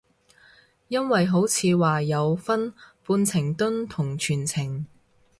因為好似話有分半程蹲同全程